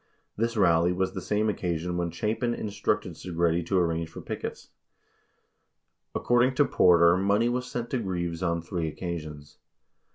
This rally was the same occasion when Chapin instructed Segretti to arrange for pickets. 47 According to Porter, money was sent to Greaves on three occasions.